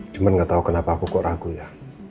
cuman gak tau kenapa aku kok ragu ya